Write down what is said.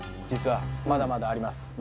実はまだまだあります